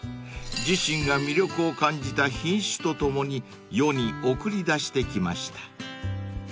［自身が魅力を感じた品種とともに世に送り出してきました］